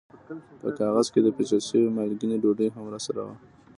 په کاغذ کې د پېچل شوې مالګینې ډوډۍ هم راسره وه.